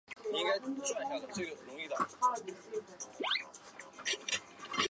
摄津北交流道是位于大阪府摄津市的近畿自动车道之交流道。